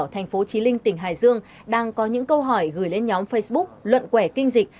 thành phố trí linh tỉnh hải dương đang có những câu hỏi gửi lên nhóm facebook luận quẻ kinh dịch